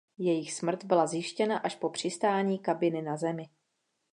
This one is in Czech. Jejich smrt byla zjištěna až po přistání kabiny na Zemi.